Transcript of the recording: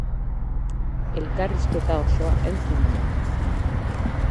Elkarrizketa osoa entzun hemen!